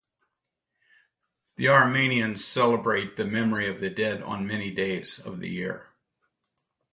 The Armenians celebrate the memory of the dead on many days of the year.